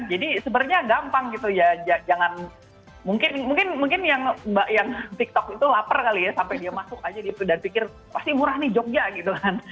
jadi sebenarnya gampang gitu ya jangan mungkin yang tiktok itu lapar kali ya sampai dia masuk aja di pulau dan pikir pasti murah nih jogja gitu kan